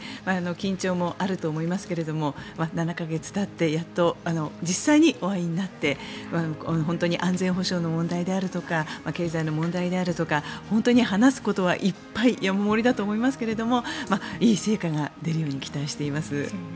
緊張もあると思いますが７か月たってやっと実際にお会いになって本当に安全保障の問題であるとか経済の問題であるとか本当に話すことはいっぱい山盛りだと思いますがいい成果が出るように期待しています。